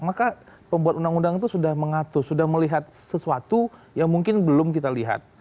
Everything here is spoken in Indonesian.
maka pembuat undang undang itu sudah mengatur sudah melihat sesuatu yang mungkin belum kita lihat